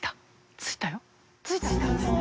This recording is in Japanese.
ついたよね。）